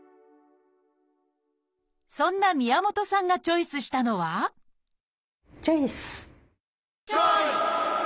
そんな宮本さんがチョイスしたのはチョイス！